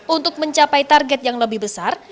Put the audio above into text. untuk mencapai target yang lebih besar